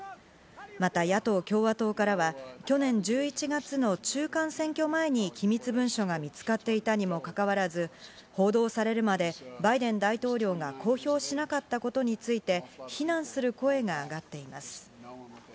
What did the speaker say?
また、野党・共和党からは去年１１月の中間選挙前に機密文書が見つかっていたにもかかわらず、報道されるまでバイデン大統領が公表しなかったことについて非難する声があがっています。